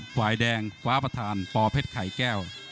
ไฟแดงฟ้าประธานปอเพชรไข่แก้ว